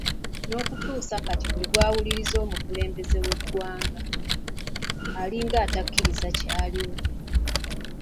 N'okutuuka kati buli lw'owuliriza omukulembeze w'eggwanga, alinga atakkiriza kyaliwo.